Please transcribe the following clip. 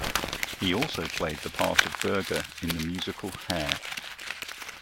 He also played the part of Berger in the musical "Hair".